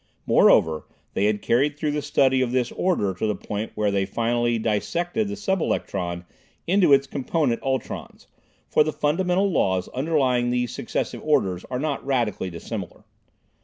Moreover, they had carried through the study of this "order" to the point where they finally "dissected" the sub electron into its component ultrons, for the fundamental laws underlying these successive orders are not radically dissimilar.